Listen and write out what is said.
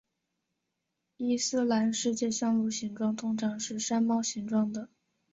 伊斯兰世界香炉形状通常是山猫形状的。